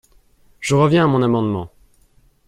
Je reviens à mon amendement.